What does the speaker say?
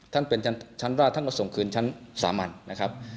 ท่านเป็นชั้นแรกท่านก็ส่งคืนชั้นสามัญนะครับ